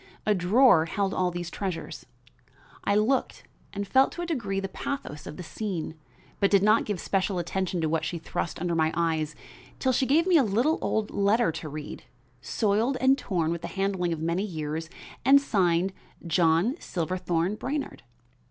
A drawer held all these treasures. I looked and felt to a degree the pathos of the scene; but did not give special attention to what she thrust under my eyes till she gave me a little old letter to read, soiled and torn with the handling of many years and signed John Silverthorn Brainard.